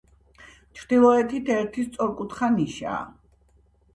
ჩრდილოეთით ერთი სწორკუთხა ნიშაა.